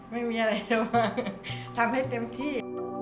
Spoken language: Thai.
ไม่มีอะไรเลยทำให้เต็มที่